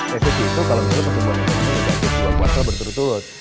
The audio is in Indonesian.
resesi itu kalau misalnya pesan pesan itu bisa berubah kuasa berturut turut